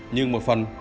nhưng một phần